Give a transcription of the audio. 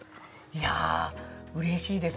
いやあうれしいです。